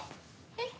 えっ？